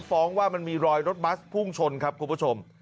ฟ้องว่ามันมีรอยรถบัสพุ่งชนครับคุณผู้ชม